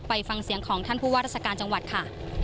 ไปฟังเสียงของท่านผู้ว่าราชการจังหวัดค่ะ